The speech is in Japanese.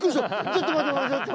ちょっと待って。